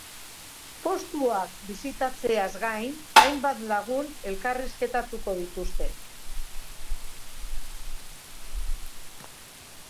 Postuak bisitatzeaz gain, hainbat lagun elkarrizketatuko dituzte.